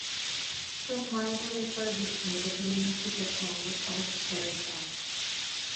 Some minor refurbishment of the main ticket hall was also carried out.